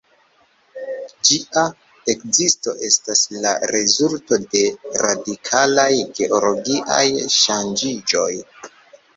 Ĝia ekzisto estas la rezulto de radikalaj geologiaj ŝanĝiĝoj.